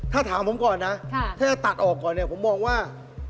ถ้าถามผมก่อนนะถ้าจะตัดออกก่อนเนี่ยผมมองว่า